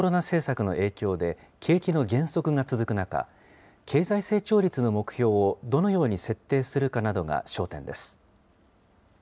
政策の影響で、景気の減速が続く中、経済成長率の目標をどのように設定するかなどが焦点です。